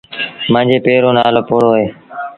مآݩجي پي رو نآلو پوهوڙو اهي۔